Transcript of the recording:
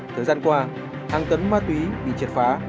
thời gian qua hàng tấn ma túy bị triệt phá